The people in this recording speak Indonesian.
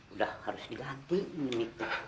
udah harus digantiin nih